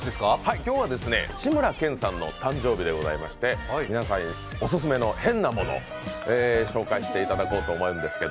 今日は志村けんさんの誕生日でございまして皆さんにオススメの変なもの紹介していただこうと思います。